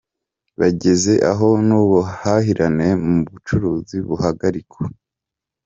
Byageze aho n’ubuhahirane mu bucuruzi buhagarikwa.